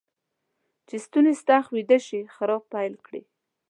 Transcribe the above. احمد چې ستونی ستخ ويده شي؛ خرا پيل کړي.